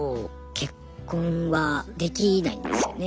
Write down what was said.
結婚はできないんですよね。